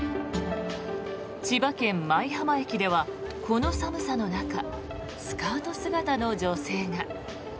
千葉県・舞浜駅ではこの寒さの中スカート姿の女性が。